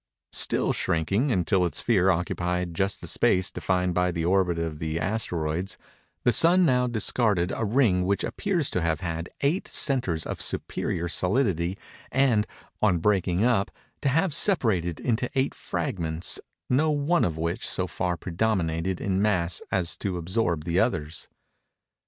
Still shrinking, until its sphere occupied just the space defined by the orbit of the Asteroids, the Sun now discarded a ring which appears to have had eight centres of superior solidity, and, on breaking up, to have separated into eight fragments no one of which so far predominated in mass as to absorb the others.